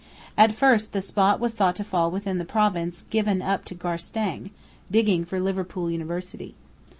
At first the spot was thought to fall within the province given up to Garstang, digging for Liverpool University.